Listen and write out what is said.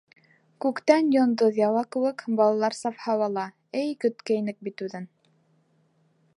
Күктән йондоҙ яуа кеүек, Балалар саф һауала Эй, көткәйнек бит үҙен!